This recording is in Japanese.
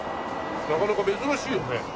なかなか珍しいよね。